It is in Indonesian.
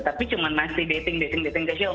tapi cuma nasi dating dating dating kecil